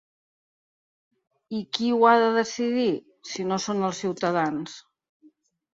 I qui ho ha de decidir, si no són els ciutadans?